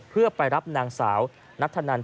เพื่อไปรับนางสาวนัทธนัน